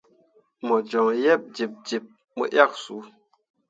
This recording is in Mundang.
Mo joŋ yeb jiɓjiɓ mo yak su.